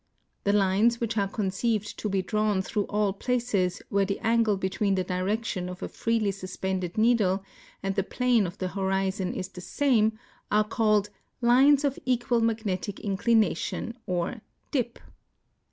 The lines which are conceived to l)e drawn through all places where the angle l)etween the direction of a freely sus pended needle and the plane of the hori/on is the same are called lines of eciual magnetic inclination or dij).